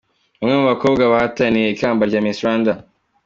Bamwe mu bakobwa bahataniye ikamba rya Miss Rwanda .